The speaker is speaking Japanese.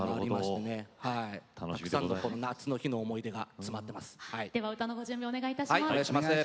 たくさんの夏の思い出が詰まっています。